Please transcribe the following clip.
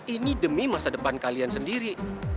ini demi masa depan kalian sendiri